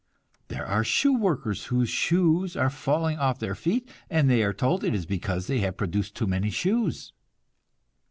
There are shoe workers whose shoes are falling off their feet, and they are told it is because they have produced too many shoes.